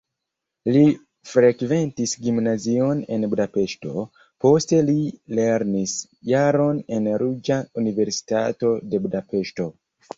Li frekventis gimnazion en Budapeŝto, poste li lernis jaron en Reĝa Universitato de Budapeŝto.